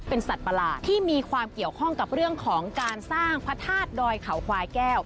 เป็นสัตว์ประหลาดที่มีความเกี่ยวข้องกับเรื่องของการสร้างพระธาตุดอยเขาควายแก้ว